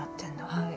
はい。